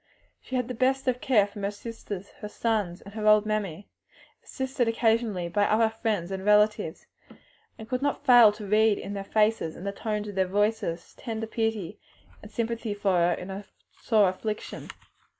She had the best of care and nursing from her sisters, her sons, and her old mammy, assisted occasionally by other friends and relatives, and could not fail to read in their faces and the tones of their voices tender pity and sympathy for her in her sore affliction.